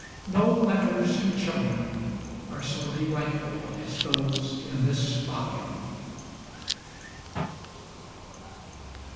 No letters to children are so delightful as those in this volume.